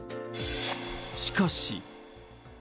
しかし。